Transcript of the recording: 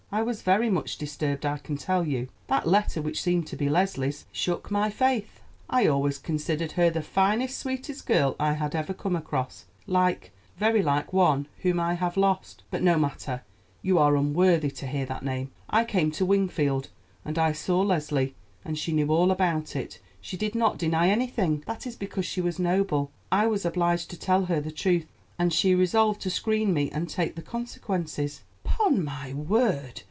I was very much disturbed, I can tell you. That letter, which seemed to be Leslie's, shook my faith. I always considered her the finest, sweetest girl I had ever come across, like, very like, one whom I have lost; but no matter, you are unworthy to hear that name. I came to Wingfield, and I saw Leslie, and she knew all about it; she did not deny anything." "That is because she was noble. I was obliged to tell her the truth, and she resolved to screen me and take the consequences." "'Pon my word!